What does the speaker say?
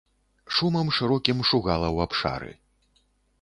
Шумам шырокім шугала ў абшары.